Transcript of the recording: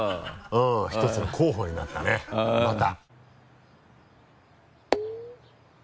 ひとつの候補になったねまた。